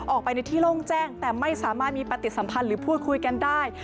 ออกไปในที่โล่งแจ้งแต่ไม่สามารถมีปฏิสัมพันธ์หรือพูดคุยกันได้